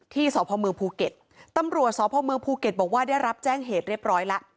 ที่สภเมภูเก็ตตำรัวสภเมภูเก็ตบอกว่าได้รับแจ้งเหตุเรียบร้อยล่ะ